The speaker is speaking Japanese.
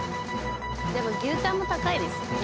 牛タンも高いですよね。